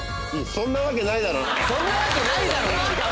「そんなわけないだろ」も違う！